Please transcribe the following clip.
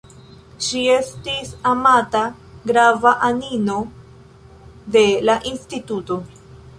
Ŝi estis amata grava anino de la instituto.